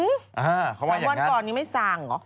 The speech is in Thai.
มั้ยข้าววันก่อนยังไม่สร้างเหรอ